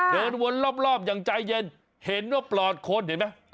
เดินวนรอบอย่างใจเย็นเห็นว่าปลอดคนเห็นไหม